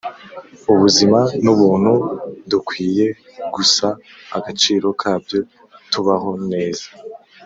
ubuzima nubuntu dukwiye gusa agaciro kabyo tubaho neza.